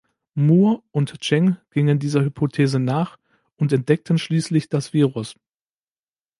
Moore und Chang gingen dieser Hypothese nach und entdeckten schließlich das Virus.